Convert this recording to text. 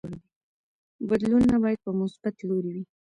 بدلونونه باید په مثبت لوري وي.